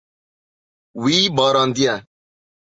Wî barandiye.